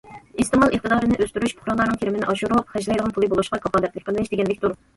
ئىستېمال ئىقتىدارىنى ئۆستۈرۈش پۇقرالارنىڭ كىرىمىنى ئاشۇرۇپ، خەجلەيدىغان پۇلى بولۇشقا كاپالەتلىك قىلىش دېگەنلىكتۇر.